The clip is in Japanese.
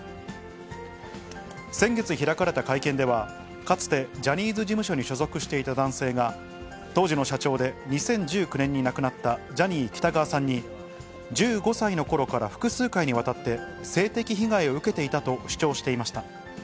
先月開かれた会見では、かつてジャニーズ事務所に所属していた男性が、当時の社長で２０１９年に亡くなったジャニー喜多川さんに、１５歳のころから複数回にわたって性的被害を受けていたと主張していました。